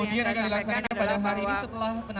kemudian ada maasa kemudian ada diplomat diplomat yang muda